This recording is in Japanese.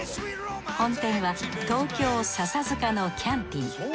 本店は東京笹塚のキャンティ。